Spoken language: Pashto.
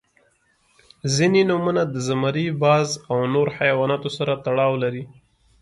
• ځینې نومونه د زمری، باز او نور حیواناتو سره تړاو لري.